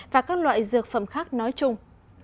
và các loại dược phẩm khác nói chung